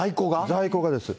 在庫がです。